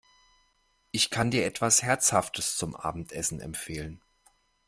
Ich kann dir etwas Herzhaftes zum Abendessen empfehlen!